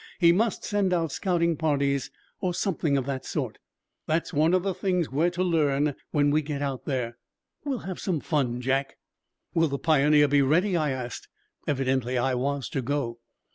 He must send out scouting parties or something of that sort. That is one of the things we are to learn when we get out there. We'll have some fun, Jack." "Will the Pioneer be ready?" I asked. Evidently I was to go.